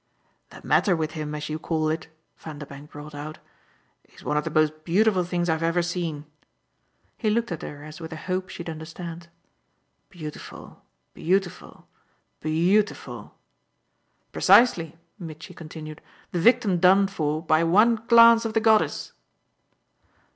"The matter with him, as you call it," Vanderbank brought out, "is one of the most beautiful things I've ever seen." He looked at her as with a hope she'd understand. "Beautiful, beautiful, beautiful!" "Precisely," Mitchy continued; "the victim done for by one glance of the goddess!"